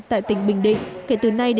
tại tỉnh bình định